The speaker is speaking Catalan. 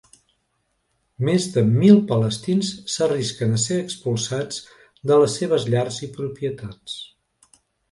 Més de mil palestins s'arrisquen a ser expulsats de les seves llars i propietats.